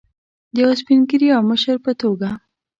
د یو سپین ږیري او مشر په توګه.